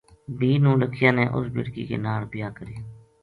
بھی نولکھیا نے اُس بیٹکی کے ناڑ بیاہ کریو